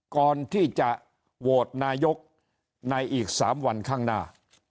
ก่อนที่จะโหวตนายกในอีก๓วันข้างหน้า